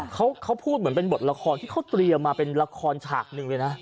เขาพูดเหมือนเป็นบทละครที่เขาเตรียมมาเป็นละครฉากหนึ่งเลยนะ